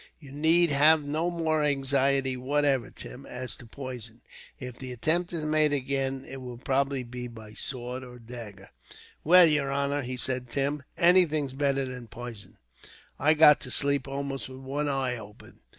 You need have no more anxiety whatever, Tim, as to poison. If the attempt is made again, it will probably be by sword or dagger." "Well, yer honor," said Tim, "anything's better than pison. I've got to sleep almost with one eye open.